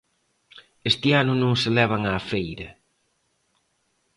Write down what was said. Este ano non se levan á feira.